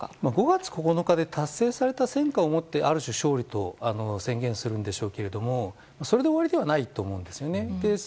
５月９日で達成された戦果をもってある種、勝利と宣言するんでしょうけどもそれで終わりではないと思うんですね。